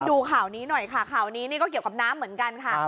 ดูข่าวนี้หน่อยค่ะข่าวนี้นี่ก็เกี่ยวกับน้ำเหมือนกันค่ะ